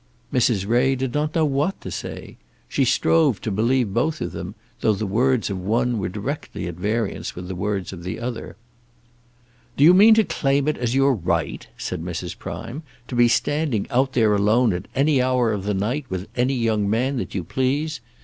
Mrs. Ray did not know what to say. She strove to believe both of them, though the words of one were directly at variance with the words of the other. "Do you mean to claim it as your right," said Mrs. Prime, "to be standing out there alone at any hour of the night, with any young man that you please?